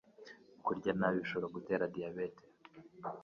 Kurya ntabi bishobora gutera diabete